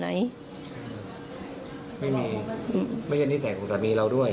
ไม่มีไม่ยันที่ใส่คุณสามีเราด้วย